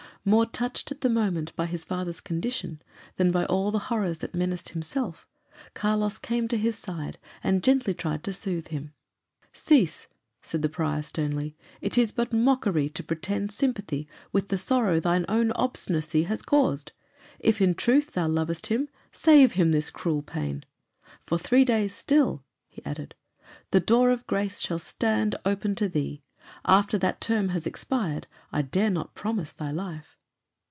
More touched, at the moment, by his father's condition than by all the horrors that menaced himself, Carlos came to his side, and gently tried to soothe him. "Cease!" said the prior, sternly. "It is but mockery to pretend sympathy with the sorrow thine own obstinacy has caused. If in truth thou lovest him, save him this cruel pain. For three days still," he added, "the door of grace shall stand open to thee. After that term has expired, I dare not promise thy life."